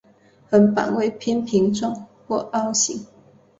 横板为扁平状或凹形。